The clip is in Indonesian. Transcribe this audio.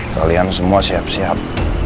kalian semua siap siap